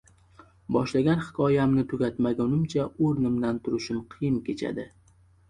Boshlagan hikoyamni tugatmagunimcha o‘rnimdan turishim qiyin kechadi.